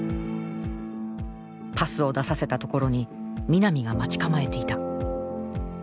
パスを出させたところに南が待ち構えていた。